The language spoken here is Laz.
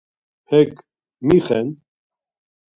Hek mi xen?